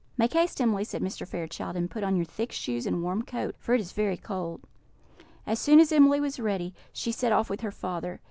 "Make haste, Emily," said Mr. Fairchild, "and put on your thick shoes and warm coat, for it is very cold." As soon as Emily was ready, she set off with her father.